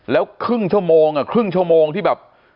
แล้วครึ่งชั่วโมงครึ่งชั่วโมงที่แบบ